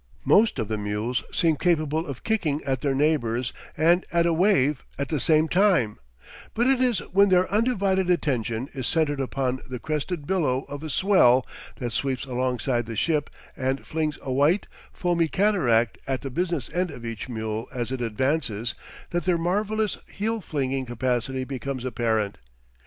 Most of the mules seem capable of kicking at their neighbors and at a wave at the same time; but it is when their undivided attention is centred upon the crested billow of a swell that sweeps alongside the ship and flings a white, foamy cataract at the business end of each mule as it advances, that their marvellous heel flinging capacity becomes apparent.